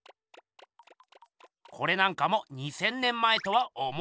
これなんかも２，０００年前とは思えません。